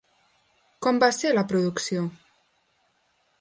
Com va ser la producció?